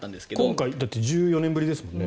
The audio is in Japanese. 今回１４年ぶりですもんね。